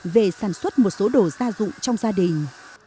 về sản xuất một số đồ gia dụng trong gia đình